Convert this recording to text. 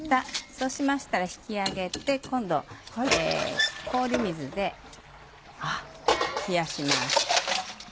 そうしましたら引き上げて今度氷水で冷やします。